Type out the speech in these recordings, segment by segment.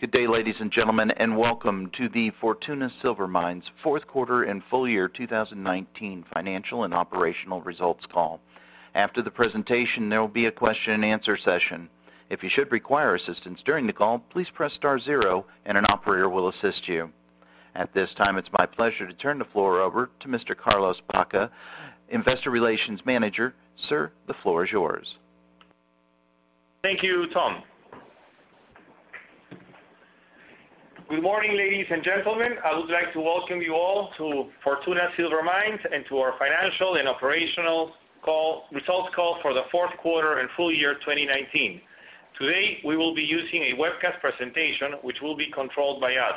Good day, ladies and gentlemen, and welcome to the Fortuna Silver Mines' fourth quarter and full year 2019 financial and operational results call. After the presentation, there will be a question and answer session. If you should require assistance during the call, please press star zero and an operator will assist you. At this time, it's my pleasure to turn the floor over to Mr. Carlos Baca, investor relations manager. Sir, the floor is yours. Thank you, Tom. Good morning, ladies and gentlemen. I would like to welcome you all to Fortuna Silver Mines and to our financial and operational results call for the fourth quarter and full year 2019. Today, we will be using a webcast presentation which will be controlled by us.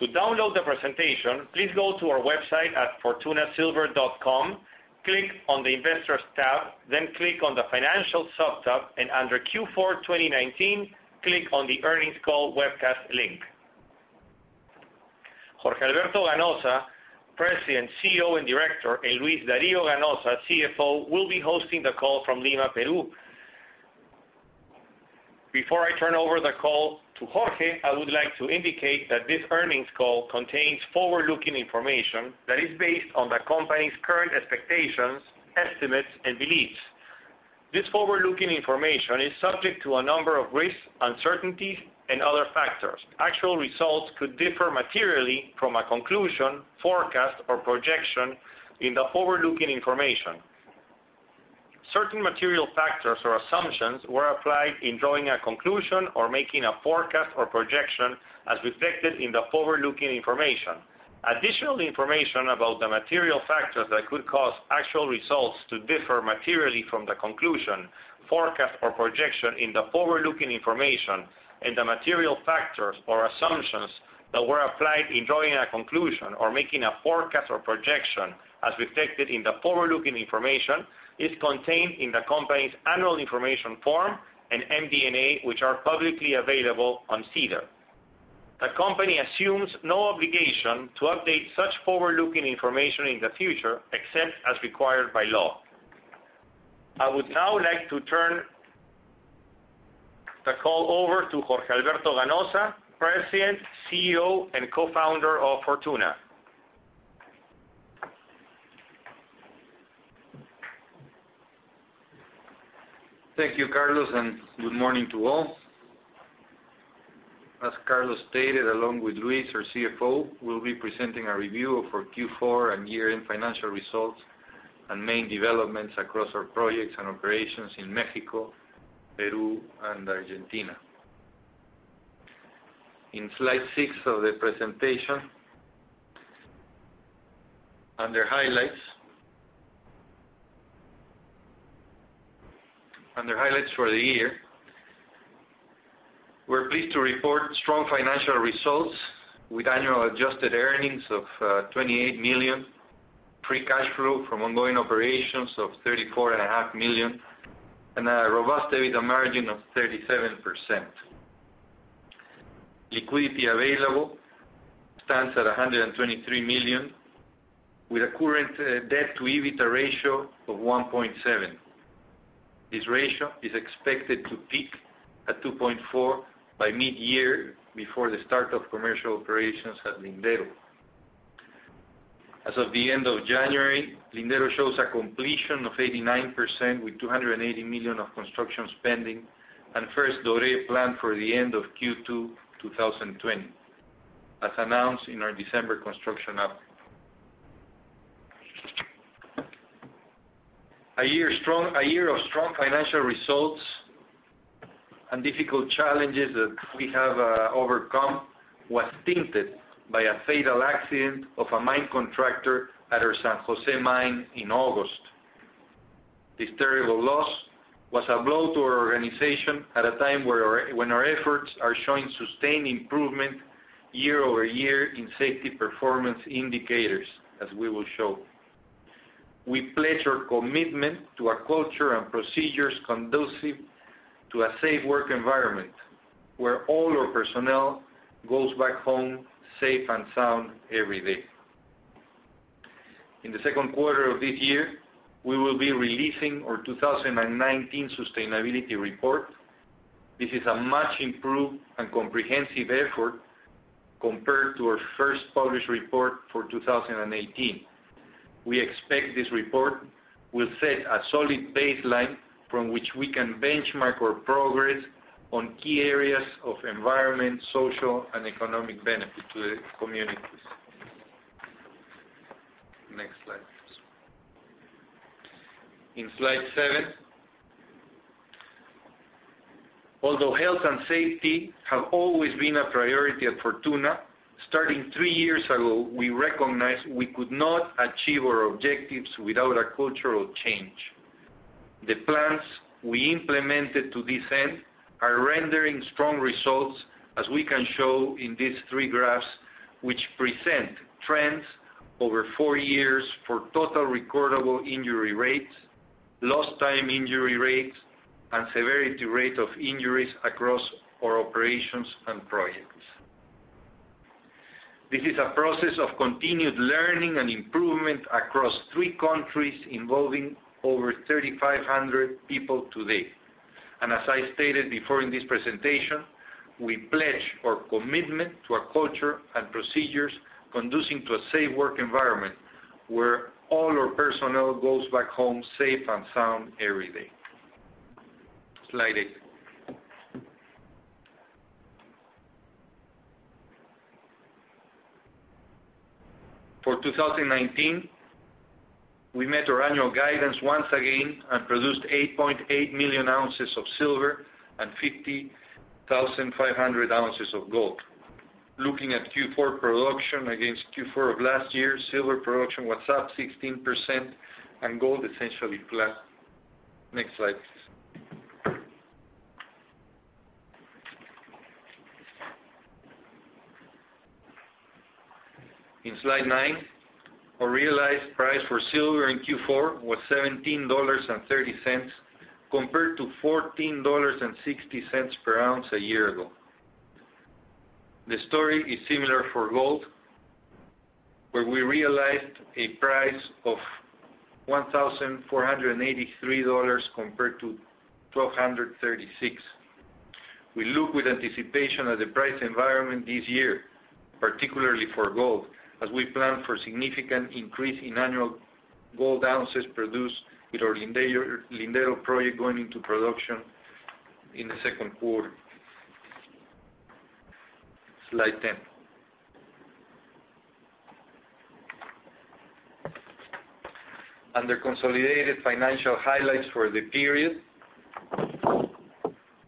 To download the presentation, please go to our website at fortunasilver.com, click on the Investors tab, then click on the Financial subtab, and under Q4 2019, click on the Earnings Call Webcast link. Jorge Alberto Ganoza, President, CEO, and Director, and Luis Dario Ganoza, CFO, will be hosting the call from Lima, Peru. Before I turn over the call to Jorge, I would like to indicate that this earnings call contains forward-looking information that is based on the company's current expectations, estimates, and beliefs. This forward-looking information is subject to a number of risks, uncertainties, and other factors. Actual results could differ materially from a conclusion, forecast, or projection in the forward-looking information. Certain material factors or assumptions were applied in drawing a conclusion or making a forecast or projection as reflected in the forward-looking information. Additional information about the material factors that could cause actual results to differ materially from the conclusion, forecast, or projection in the forward-looking information, and the material factors or assumptions that were applied in drawing a conclusion or making a forecast or projection as reflected in the forward-looking information, is contained in the company's annual information form and MD&A, which are publicly available on SEDAR. The company assumes no obligation to update such forward-looking information in the future, except as required by law. I would now like to turn the call over to Jorge Alberto Ganoza, President, CEO, and Co-founder of Fortuna. Thank you, Carlos, and good morning to all. As Carlos stated, along with Luis, our CFO, we'll be presenting a review of our Q4 and year-end financial results and main developments across our projects and operations in Mexico, Peru, and Argentina. In Slide 6 of the presentation, under highlights for the year, we're pleased to report strong financial results with annual adjusted earnings of $28 million, free cash flow from ongoing operations of $34.5 million, and a robust EBITDA margin of 37%. Liquidity available stands at $123 million, with a current debt to EBITDA ratio of 1.7. This ratio is expected to peak at 2.4 by mid-year before the start of commercial operations at Lindero. As of the end of January, Lindero shows a completion of 89% with $280 million of construction spending and first doré planned for the end of Q2 2020, as announced in our December construction update. A year of strong financial results and difficult challenges that we have overcome was tainted by a fatal accident of a mine contractor at our San José mine in August. This terrible loss was a blow to our organization at a time when our efforts are showing sustained improvement year-over-year in safety performance indicators, as we will show. We pledge our commitment to a culture and procedures conducive to a safe work environment where all our personnel goes back home safe and sound every day. In the second quarter of this year, we will be releasing our 2019 sustainability report. This is a much improved and comprehensive effort compared to our first published report for 2018. We expect this report will set a solid baseline from which we can benchmark our progress on key areas of environment, social, and economic benefit to the communities. Next slide. In Slide 7, although health and safety have always been a priority at Fortuna, starting three years ago, we recognized we could not achieve our objectives without a cultural change. The plans we implemented to this end are rendering strong results, as we can show in these three graphs, which present trends over four years for total recordable injury rates, lost time injury rates, and severity rate of injuries across our operations and projects. This is a process of continued learning and improvement across three countries involving over 3,500 people today. As I stated before in this presentation, we pledge our commitment to a culture and procedures conducive to a safe work environment where all our personnel goes back home safe and sound every day. Slide 8. For 2019, we met our annual guidance once again and produced 8.8 million ounces of silver and 50,500 ounces of gold. Looking at Q4 production against Q4 of last year, silver production was up 16% and gold essentially flat. Next slide please. In Slide 9, our realized price for silver in Q4 was $17.30 compared to $14.60 per ounce a year ago. The story is similar for gold, where we realized a price of $1,483 compared to $1,236. We look with anticipation at the price environment this year, particularly for gold, as we plan for a significant increase in annual gold ounces produced with our Lindero project going into production in the second quarter. Slide 10. Under consolidated financial highlights for the period,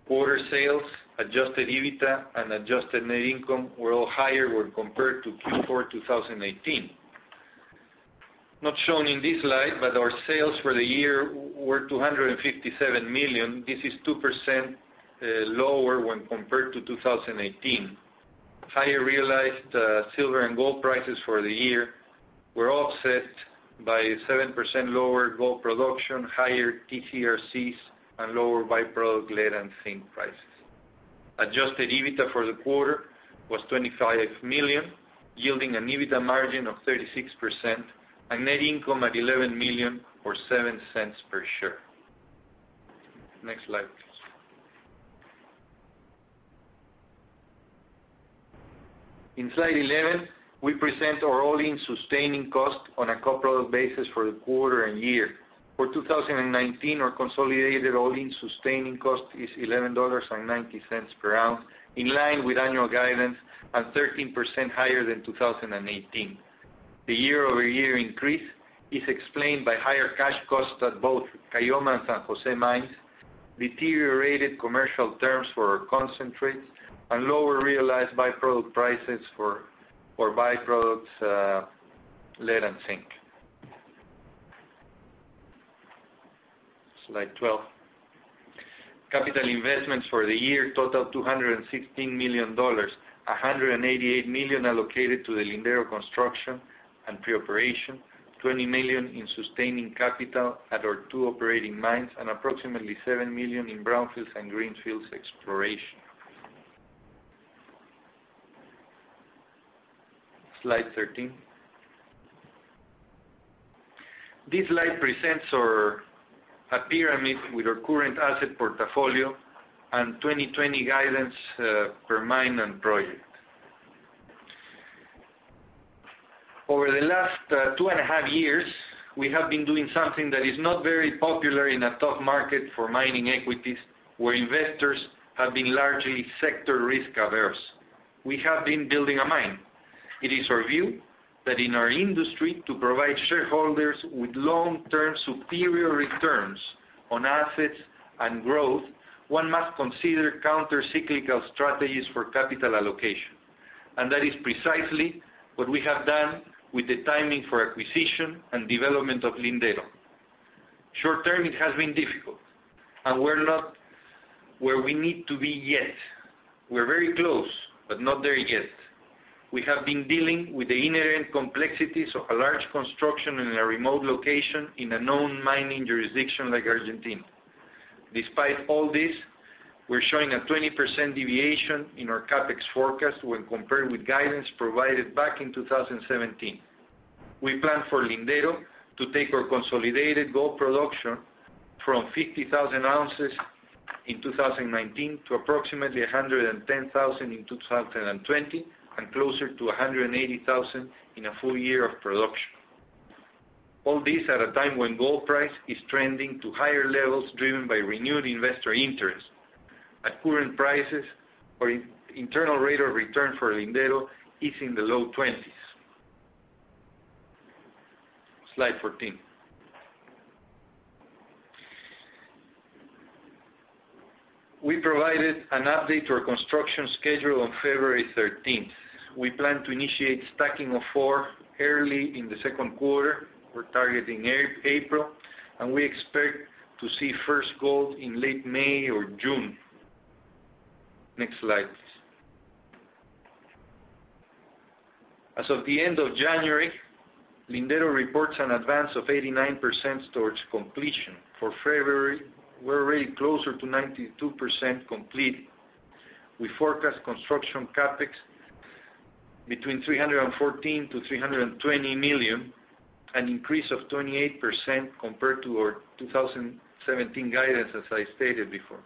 quarter sales, adjusted EBITDA, and adjusted net income were all higher when compared to Q4 2018. Not shown in this slide, but our sales for the year were $257 million. This is 2% lower when compared to 2018. Higher realized silver and gold prices for the year were offset by 7% lower gold production, higher TCRCs, and lower by-product lead and zinc prices. Adjusted EBITDA for the quarter was $25 million, yielding an EBITDA margin of 36% and net income at $11 million or $0.07 per share. Next slide, please. In Slide 11, we present our all-in sustaining costs on a by-product basis for the quarter and year. For 2019, our consolidated all-in sustaining cost is $11.90 per ounce, in line with annual guidance and 13% higher than 2018. The year-over-year increase is explained by higher cash costs at both Caylloma and San Jose mines, deteriorated commercial terms for our concentrates, and lower realized by-product prices for by-products lead and zinc. Slide 12. Capital investments for the year total $216 million, $188 million allocated to the Lindero construction and pre-operation, $20 million in sustaining capital at our two operating mines, and approximately $7 million in brownfields and greenfields exploration. Slide 13. This slide presents a pyramid with our current asset portfolio and 2020 guidance per mine and project. Over the last 2.5 years, we have been doing something that is not very popular in a tough market for mining equities where investors have been largely sector risk averse. We have been building a mine. It is our view that in our industry to provide shareholders with long-term superior returns on assets and growth, one must consider counter-cyclical strategies for capital allocation. That is precisely what we have done with the timing for acquisition and development of Lindero. Short-term, it has been difficult, and we're not where we need to be yet. We're very close, but not there yet. We have been dealing with the inherent complexities of a large construction in a remote location in a known mining jurisdiction like Argentina. Despite all this, we're showing a 20% deviation in our CapEx forecast when compared with guidance provided back in 2017. We plan for Lindero to take our consolidated gold production from 50,000 ounces in 2019 to approximately 110,000 in 2020 and closer to 180,000 in a full year of production. All this at a time when gold price is trending to higher levels driven by renewed investor interest. At current prices, our internal rate of return for Lindero is in the low 20s. Slide 14. We provided an update to our construction schedule on February 13th. We plan to initiate stacking of ore early in the second quarter. We're targeting April, and we expect to see first gold in late May or June. Next slide, please. As of the end of January, Lindero reports an advance of 89% towards completion. For February, we're already closer to 92% complete. We forecast construction CapEx between $314 million-$320 million, an increase of 28% compared to our 2017 guidance, as I stated before.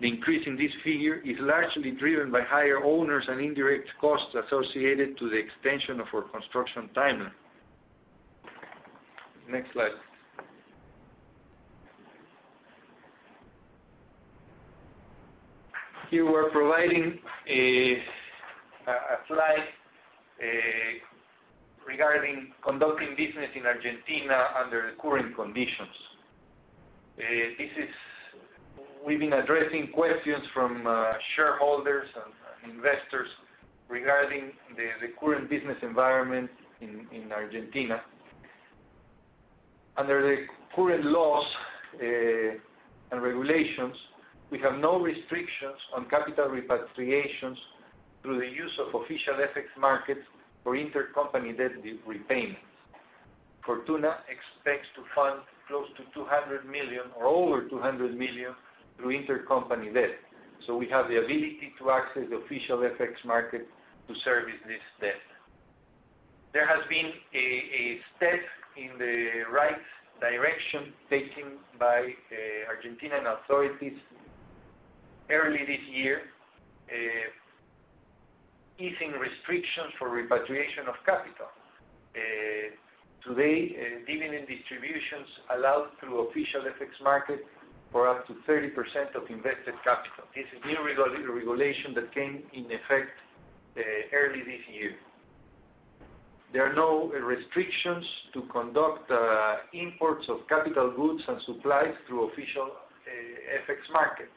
The increase in this figure is largely driven by higher owners and indirect costs associated to the extension of our construction timeline. Next slide. Here we're providing a slide regarding conducting business in Argentina under the current conditions. We've been addressing questions from shareholders and investors regarding the current business environment in Argentina. Under the current laws and regulations, we have no restrictions on capital repatriations through the use of official FX markets for intercompany debt repayments. Fortuna expects to fund close to $200 million or over $200 million through intercompany debt. We have the ability to access official FX market to service this debt. There has been a step in the right direction taken by Argentine authorities early this year, easing restrictions for repatriation of capital. Today, dividend distributions allow through official FX market for up to 30% of invested capital. This is a new regulation that came in effect early this year. There are no restrictions to conduct imports of capital goods and supplies through official FX market.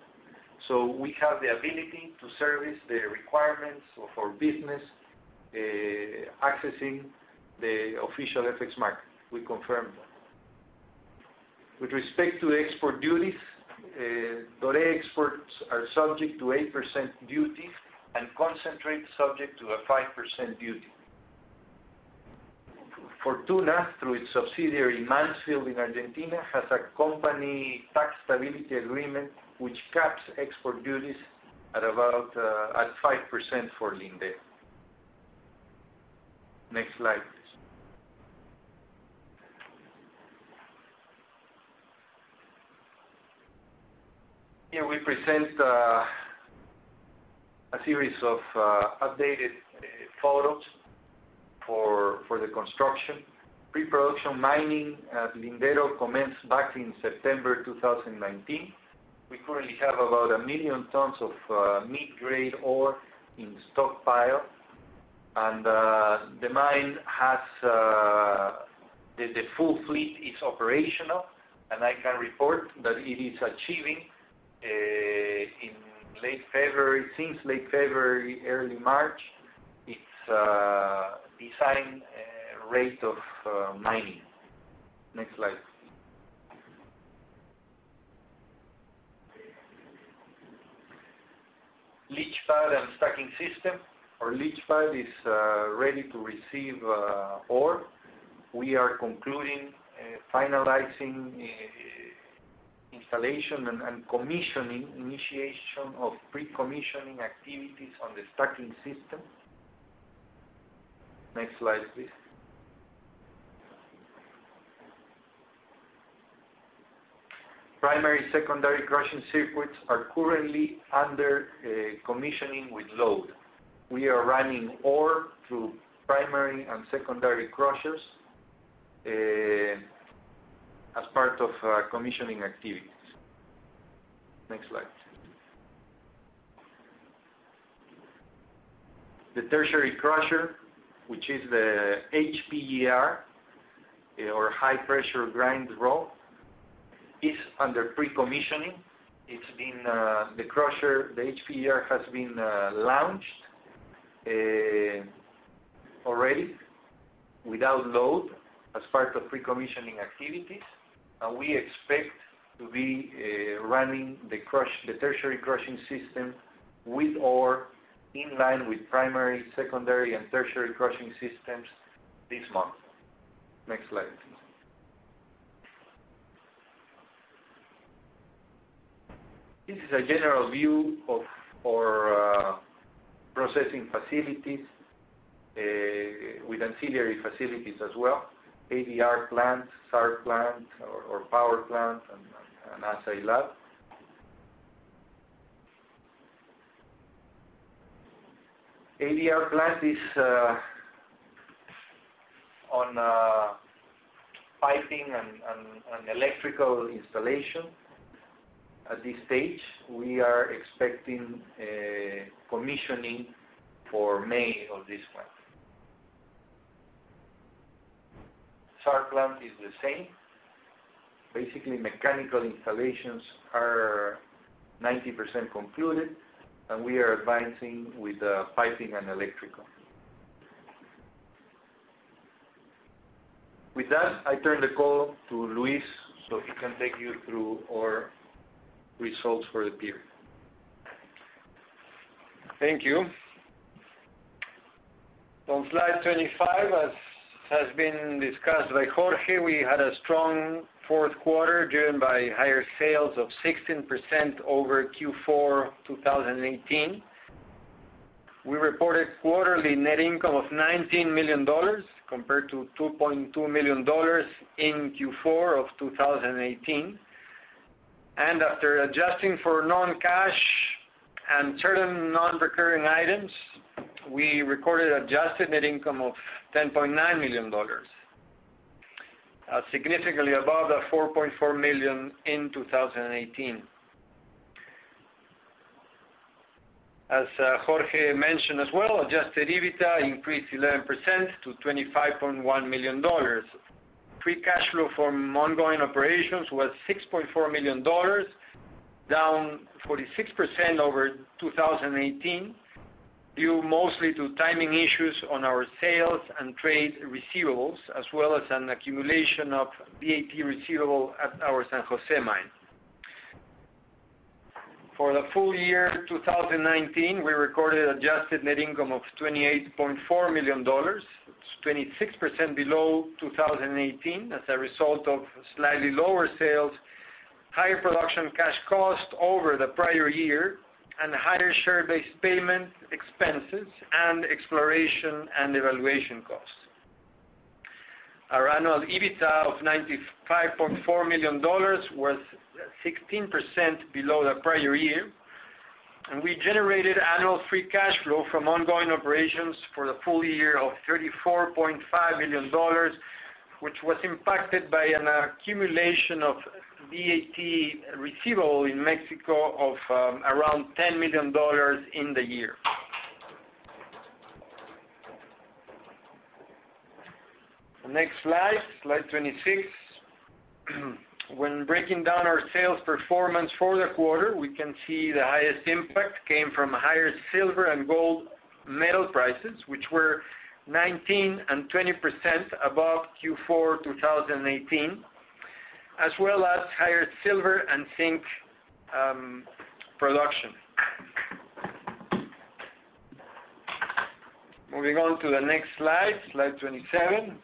We have the ability to service the requirements of our business, accessing the official FX market. We confirm that. With respect to export duties, ore exports are subject to 8% duty and concentrate subject to a 5% duty. Fortuna, through its subsidiary, Mansfield in Argentina, has a company tax stability agreement, which caps export duties at 5% for Lindero. Next slide, please. Here we present a series of updated photos for the construction. Pre-production mining at Lindero commenced back in September 2019. We currently have about 1 million tons of mid-grade ore in stockpile. The full fleet is operational, and I can report that it is achieving, since late February, early March, its design rate of mining. Next slide. Leach pad and stacking system. Our leach pad is ready to receive ore. We are concluding, finalizing installation and commissioning, initiation of pre-commissioning activities on the stacking system. Next slide, please. Primary, secondary crushing circuits are currently under commissioning with load. We are running ore through primary and secondary crushers as part of our commissioning activities. Next slide. The tertiary crusher, which is the HPGR, or high pressure grind roll, is under pre-commissioning. The HPGR has been launched already without load as part of pre-commissioning activities. We expect to be running the tertiary crushing system with ore in line with primary, secondary, and tertiary crushing systems this month. Next slide. This is a general view of our processing facilities with ancillary facilities as well. ADR plant, SART plant or power plant and assay lab. ADR plant is on piping and electrical installation. At this stage, we are expecting commissioning for May of this month. SART plant is the same. Basically mechanical installations are 90% concluded, and we are advancing with piping and electrical. With that, I turn the call to Luis, so he can take you through our results for the period. Thank you. On Slide 25, as has been discussed by Jorge, we had a strong fourth quarter driven by higher sales of 16% over Q4 2018. We reported quarterly net income of $19 million compared to $2.2 million in Q4 of 2018. After adjusting for non-cash and certain non-recurring items, we recorded adjusted net income of $10.9 million, significantly above the $4.4 million in 2018. As Jorge mentioned as well, adjusted EBITDA increased 11% to $25.1 million. Free cash flow from ongoing operations was $6.4 million, down 46% over 2018, due mostly to timing issues on our sales and trade receivables, as well as an accumulation of VAT receivable at our San Jose mine. For the full year 2019, we recorded adjusted net income of $28.4 million. It's 26% below 2018 as a result of slightly lower sales, higher production cash cost over the prior year, and higher share-based payment expenses and exploration and evaluation costs. Our annual EBITDA of $95.4 million was 16% below the prior year, and we generated annual free cash flow from ongoing operations for the full year of $34.5 million, which was impacted by an accumulation of VAT receivable in Mexico of around $10 million in the year. Next Slide 26. When breaking down our sales performance for the quarter, we can see the highest impact came from higher silver and gold metal prices, which were 19% and 20% above Q4 2018, as well as higher silver and zinc production. Moving on to the next Slide 27.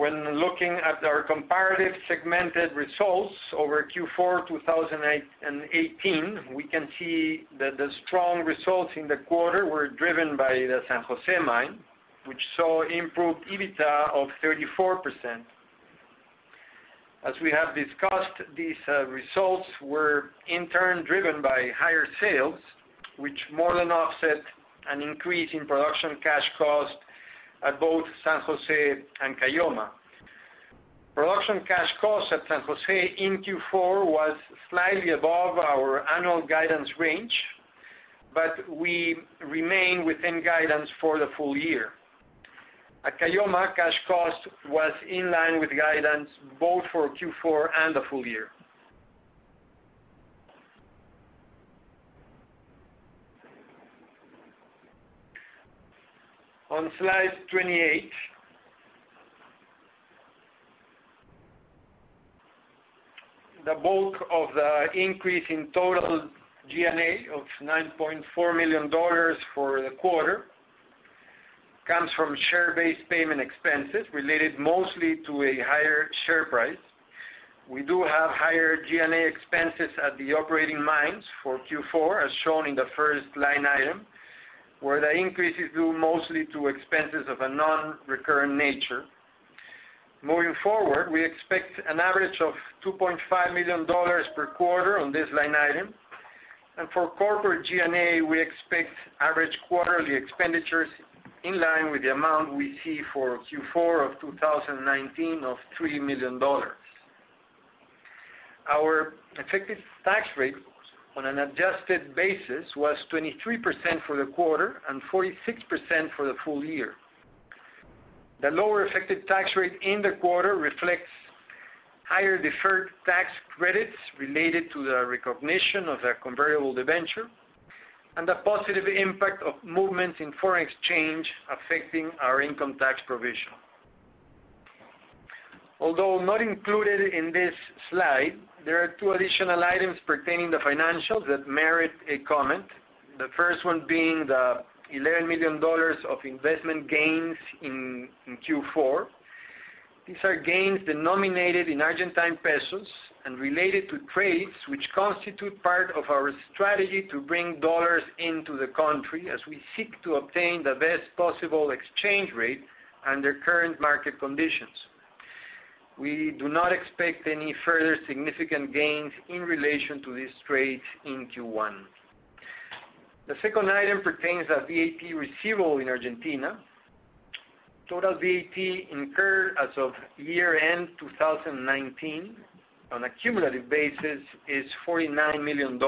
When looking at our comparative segmented results over Q4 2018, we can see that the strong results in the quarter were driven by the San Jose mine, which saw improved EBITDA of 34%. As we have discussed, these results were in turn driven by higher sales, which more than offset an increase in production cash cost at both San Jose and Caylloma. Production cash costs at San Jose in Q4 was slightly above our annual guidance range, but we remain within guidance for the full year. At Caylloma, cash cost was in line with guidance both for Q4 and the full year. On Slide 28, the bulk of the increase in total G&A of $9.4 million for the quarter comes from share-based payment expenses related mostly to a higher share price. We do have higher G&A expenses at the operating mines for Q4, as shown in the first line item, where the increase is due mostly to expenses of a non-recurring nature. Moving forward, we expect an average of $2.5 million per quarter on this line item. For corporate G&A, we expect average quarterly expenditures in line with the amount we see for Q4 of 2019 of $3 million. Our effective tax rate on an adjusted basis was 23% for the quarter and 46% for the full year. The lower effective tax rate in the quarter reflects higher deferred tax credits related to the recognition of the convertible debenture and the positive impact of movements in foreign exchange affecting our income tax provision. Although not included in this slide, there are two additional items pertaining to financials that merit a comment, the first one being the $11 million of investment gains in Q4. These are gains denominated in Argentine pesos and related to trades which constitute part of our strategy to bring dollars into the country as we seek to obtain the best possible exchange rate under current market conditions. We do not expect any further significant gains in relation to these trades in Q1. The second item pertains to VAT receivable in Argentina. Total VAT incurred as of year-end 2019 on a cumulative basis is $49 million,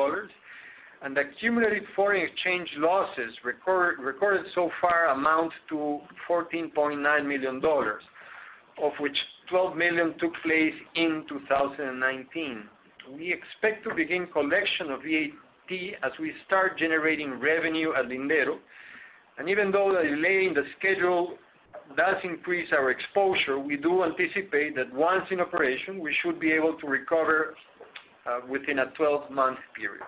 and the cumulative foreign exchange losses recorded so far amount to $14.9 million, of which $12 million took place in 2019. We expect to begin collection of VAT as we start generating revenue at Lindero, and even though a delay in the schedule does increase our exposure. We do anticipate that once in operation, we should be able to recover within a 12-month period.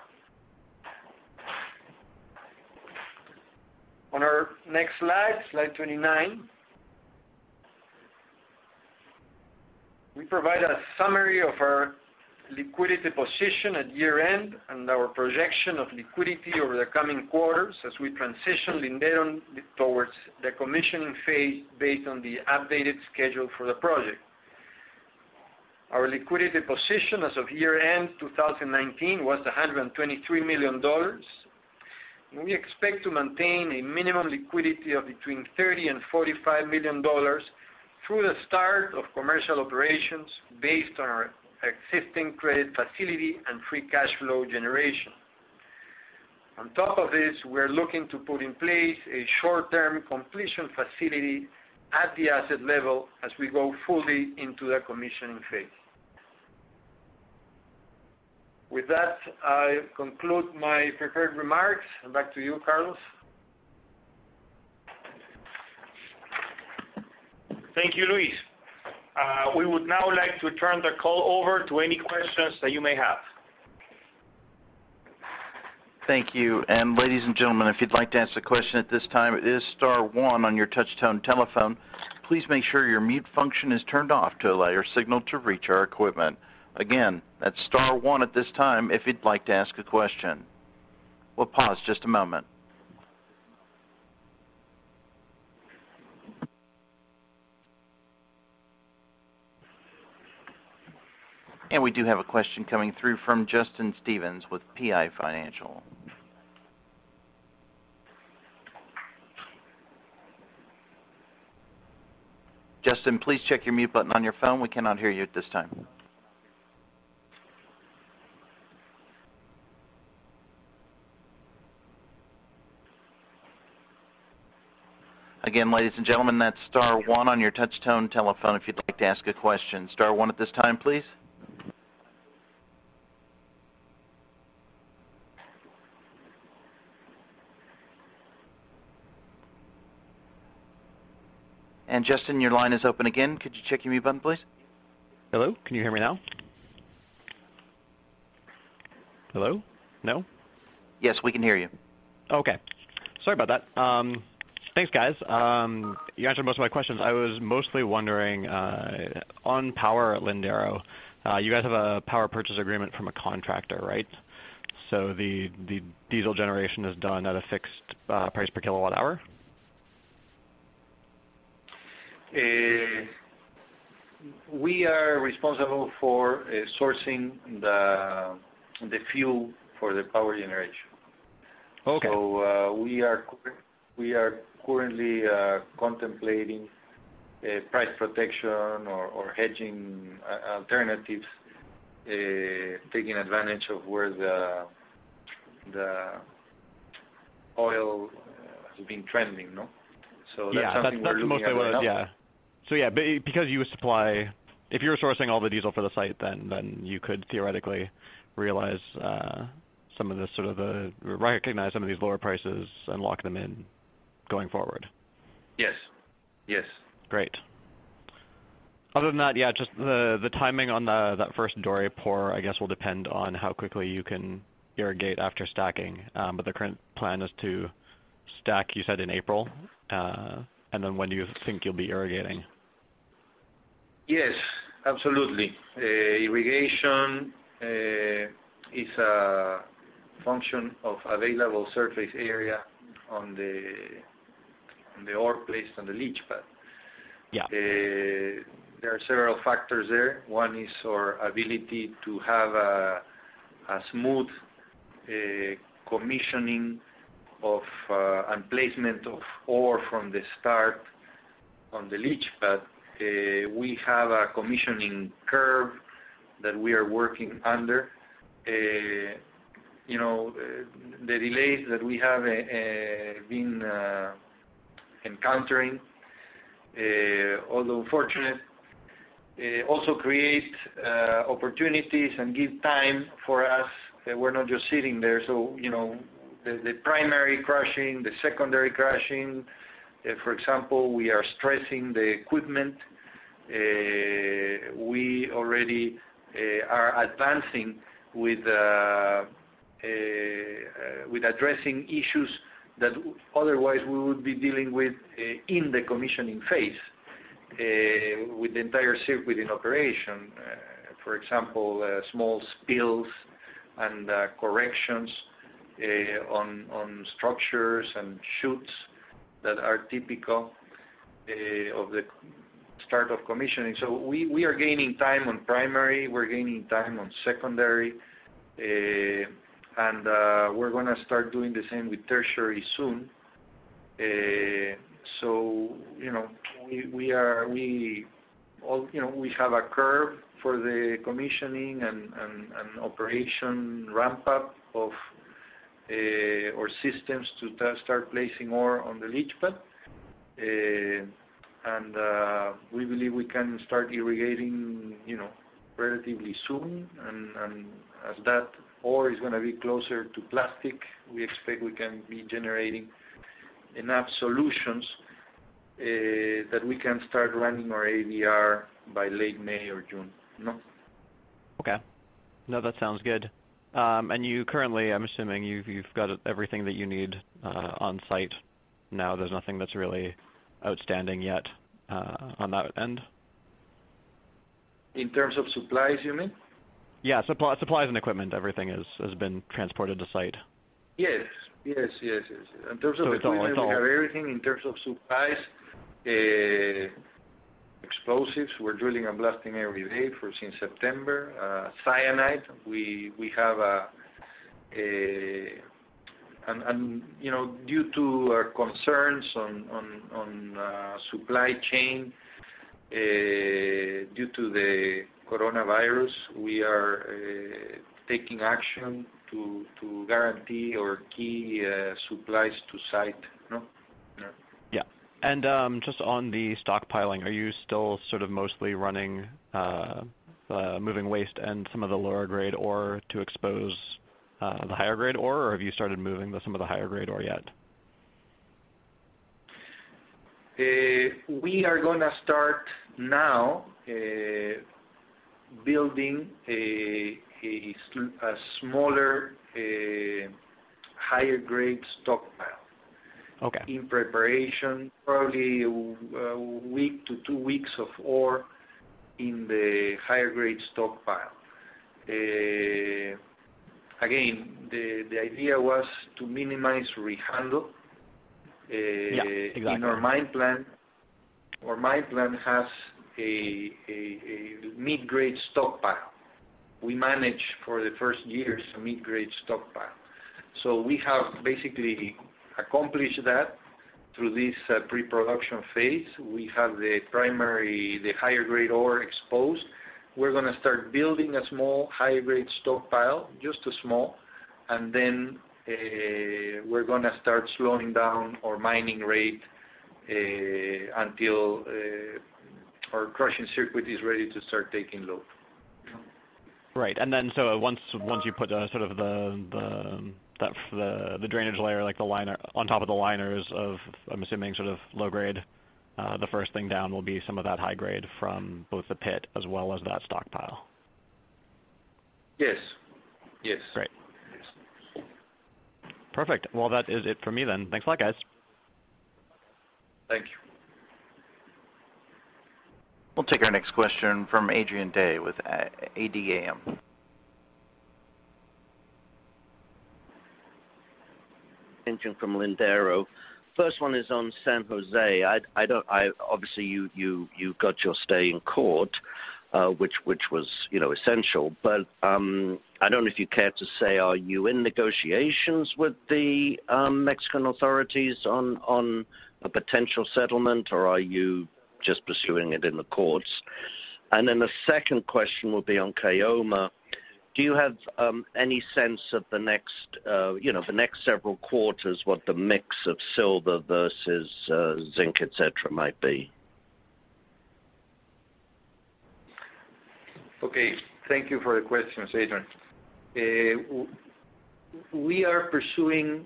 On our next slide, Slide 29. We provide a summary of our liquidity position at year-end and our projection of liquidity over the coming quarters as we transition Lindero towards the commissioning phase based on the updated schedule for the project. Our liquidity position as of year-end 2019 was $123 million. We expect to maintain a minimum liquidity of between $30 million and $45 million through the start of commercial operations based on our existing credit facility and free cash flow generation. On top of this, we're looking to put in place a short-term completion facility at the asset level as we go fully into the commissioning phase. With that, I conclude my prepared remarks. Back to you, Carlos. Thank you, Luis. We would now like to turn the call over to any questions that you may have. Thank you. Ladies and gentlemen, if you'd like to ask a question at this time, it is star one on your touch-tone telephone. Please make sure your mute function is turned off to allow your signal to reach our equipment. Again, that's star one at this time if you'd like to ask a question. We'll pause just a moment. We do have a question coming through from Justin Stevens with PI Financial. Justin, please check your mute button on your phone. We cannot hear you at this time. Again, ladies and gentlemen, that's star one on your touch-tone telephone if you'd like to ask a question. Star one at this time, please. Justin, your line is open again. Could you check your mute button, please? Hello, can you hear me now? Hello? No? Yes, we can hear you. Okay. Sorry about that. Thanks, guys. You answered most of my questions. I was mostly wondering, on power at Lindero, you guys have a power purchase agreement from a contractor, right? So the diesel generation is done at a fixed price per kilowatt hour? We are responsible for sourcing the fuel for the power generation. Okay. We are currently contemplating price protection or hedging alternatives, taking advantage of where the oil has been trending. That's something we're looking at right now. Yeah. Because you supply, if you were sourcing all the diesel for the site, then you could theoretically recognize some of these lower prices and lock them in going forward. Yes. Great. Other than that, just the timing on that first doré pour, I guess, will depend on how quickly you can irrigate after stacking. The current plan is to stack, you said, in April. When do you think you'll be irrigating? Yes, absolutely. Irrigation is a function of available surface area on the ore placed on the leach pad. Yeah. There are several factors there. One is our ability to have a smooth commissioning and placement of ore from the start on the leach pad. We have a commissioning curve that we are working under. The delays that we have been encountering, although unfortunate, also create opportunities and give time for us that we're not just sitting there. The primary crushing, the secondary crushing, for example, we are stressing the equipment. We already are advancing with addressing issues that otherwise we would be dealing with in the commissioning phase, with the entire circuit in operation. For example, small spills and corrections on structures and shoots that are typical of the start of commissioning. We are gaining time on primary, we're gaining time on secondary, and we're going to start doing the same with tertiary soon. We have a curve for the commissioning and operation ramp-up of our systems to start placing ore on the leach pad. We believe we can start irrigating relatively soon. As that ore is going to be closer to spec, we expect we can be generating enough solutions that we can start running our ADR by late May or June. Okay. No, that sounds good. Currently, I'm assuming you've got everything that you need on-site now. There's nothing that's really outstanding yet on that end? In terms of supplies, you mean? Yeah. Supplies and equipment, everything has been transported to site? Yes. In terms of equipment. So it's all- We have everything in terms of supplies. Explosives, we're drilling and blasting every day first since September. Cyanide, we have. Due to our concerns on supply chain due to the coronavirus, we are taking action to guarantee our key supplies to site. No? Yeah. Just on the stockpiling, are you still mostly running moving waste and some of the lower grade ore to expose the higher grade ore? Or have you started moving some of the higher grade ore yet? We are going to start now building a smaller, higher grade stockpile. Okay. In preparation, probably a week to two weeks of ore in the higher grade stockpile. Again, the idea was to minimize rehandle. Yeah. Exactly. In our mine plan. Our mine plan has a mid-grade stockpile. We managed for the first years a mid-grade stockpile. We have basically accomplished that through this pre-production phase. We have the primary, the higher grade ore exposed. We're going to start building a small high grade stockpile, just small. We're going to start slowing down our mining rate until our crushing circuit is ready to start taking load. Right. Once you put the drainage layer, like the liner on top of the liners of, I'm assuming low grade. The first thing down will be some of that high grade from both the pit as well as that stockpile. Yes. Great. Perfect. Well, that is it for me then. Thanks a lot, guys. Thanks. We'll take our next question from Adrian Day with ADAM. Adrian here. On Lindero. First one is on San Jose. Obviously, you got your stay in court, which was essential, but, I don't know if you care to say, are you in negotiations with the Mexican authorities on a potential settlement, or are you just pursuing it in the courts? The second question will be on Caylloma. Do you have any sense of the next several quarters what the mix of silver versus zinc, etc, might be? Okay. Thank you for the questions, Adrian. We are pursuing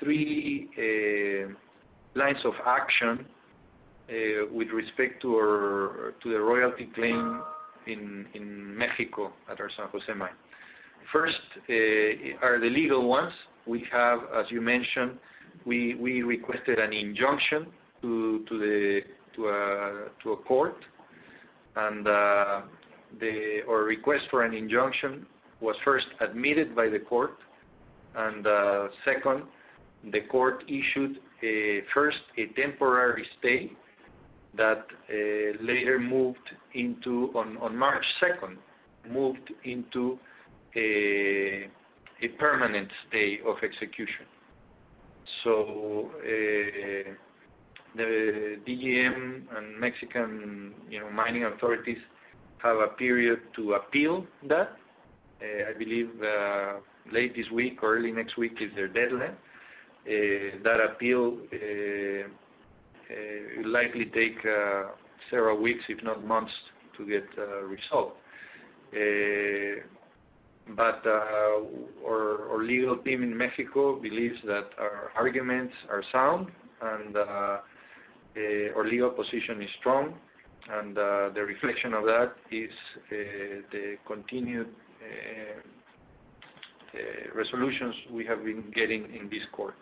three lines of action with respect to the royalty claim in Mexico at our San José mine. First are the legal ones. We have, as you mentioned, we requested an injunction to a court. Our request for an injunction was first admitted by the court, and second, the court issued first a temporary stay that later moved into on March 2nd a permanent stay of execution. The DGM and Mexican mining authorities have a period to appeal that. I believe late this week or early next week is their deadline. That appeal will likely take several weeks, if not months, to get resolved. Our legal team in Mexico believes that our arguments are sound and our legal position is strong. The reflection of that is the continued resolutions we have been getting in this court.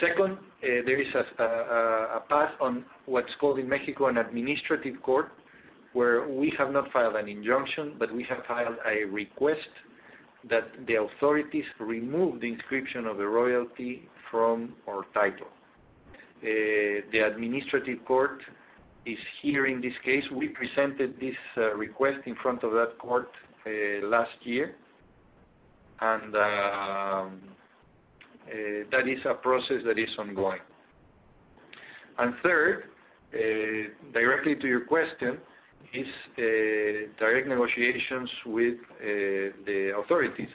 Second, there is a path on what's called in Mexico an administrative court, where we have not filed an injunction, but we have filed a request that the authorities remove the inscription of the royalty from our title. The administrative court is hearing this case. We presented this request in front of that court last year, and that is a process that is ongoing. Third, directly to your question, is direct negotiations with the authorities.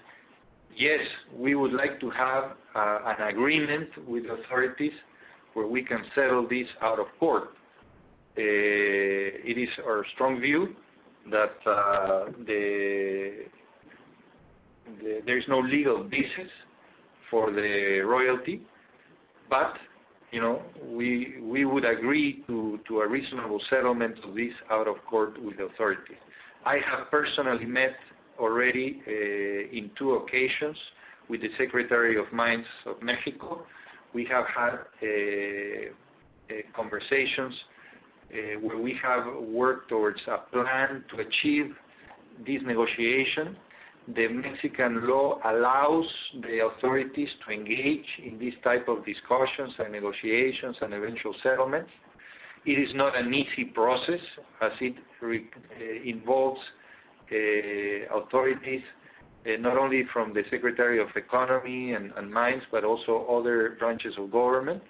Yes, we would like to have an agreement with authorities where we can settle this out of court. It is our strong view that there is no legal basis for the royalty. But we would agree to a reasonable settlement of this out of court with the authority. I have personally met already, in two occasions, with the Secretary of Mines of Mexico. We have had conversations where we have worked towards a plan to achieve this negotiation. The Mexican law allows the authorities to engage in these type of discussions and negotiations and eventual settlements. It is not an easy process, as it involves authorities, not only from the Secretary of Economy and Mines, but also other branches of government.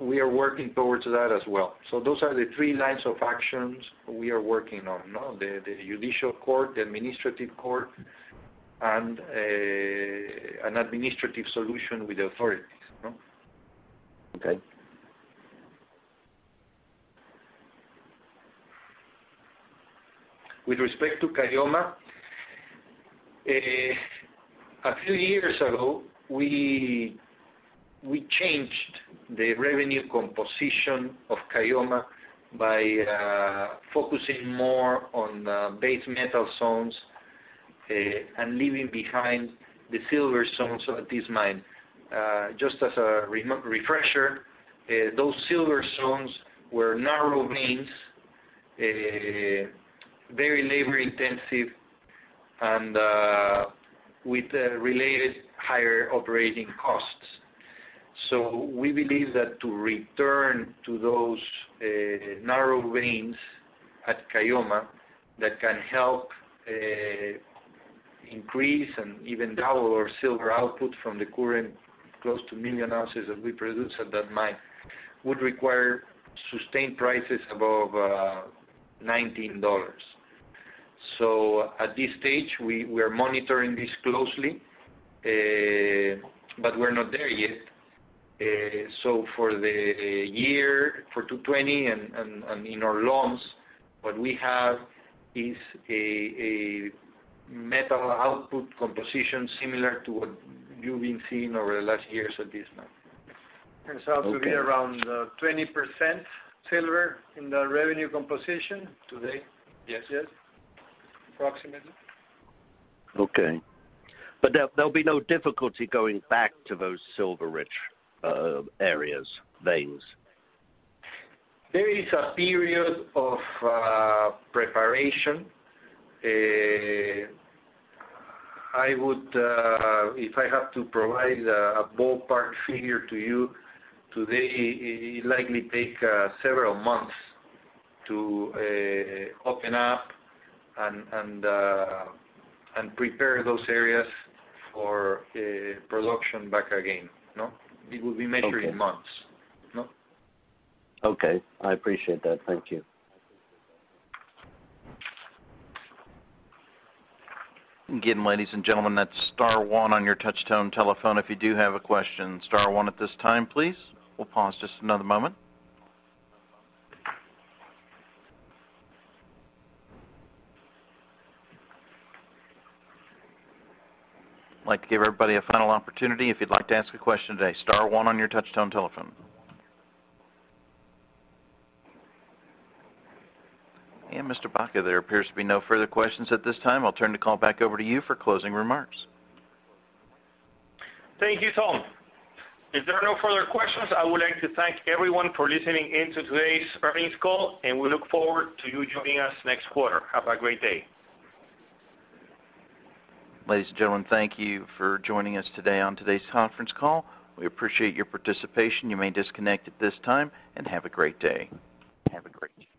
We are working towards that as well. Those are the three lines of actions we are working on. The judicial court, the administrative court, and an administrative solution with the authorities. Okay. With respect to Caylloma, a few years ago, we changed the revenue composition of Caylloma by focusing more on base metal zones and leaving behind the silver zones at this mine. Just as a refresher, those silver zones were narrow veins, very labor intensive, and with related higher operating costs. We believe that to return to those narrow veins at Caylloma, that can help increase and even double our silver output from the current close to a million ounces that we produce at that mine, would require sustained prices above $19. At this stage, we are monitoring this closely, but we're not there yet. For the year, for 2020 and in our plans, what we have is a metal output composition similar to what you've been seeing over the last years at this mine. Okay. Turns out to be around 20% silver in the revenue composition today. Yes. Yes. Approximately. Okay. There'll be no difficulty going back to those silver-rich areas, veins? There is a period of preparation. If I have to provide a ballpark figure to you today, it'd likely take several months to open up and prepare those areas for production back again. It would be measured in months. Okay. I appreciate that. Thank you. Again, ladies and gentlemen, that's star one on your touch-tone telephone if you do have a question. Star one at this time, please. We'll pause just another moment. I'd like to give everybody a final opportunity. If you'd like to ask a question today, star one on your touch-tone telephone. Mr. Baca, there appears to be no further questions at this time. I'll turn the call back over to you for closing remarks. Thank you, Tom. If there are no further questions, I would like to thank everyone for listening in to today's earnings call, and we look forward to you joining us next quarter. Have a great day. Ladies and gentlemen, thank you for joining us today on today's conference call. We appreciate your participation. You may disconnect at this time, and have a great day. Have a great day.